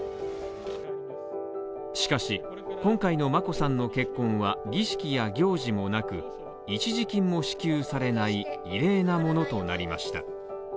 しかし、今回の眞子さんの結婚は儀式や行事もなく一時金も支給されない異例なものとなりました。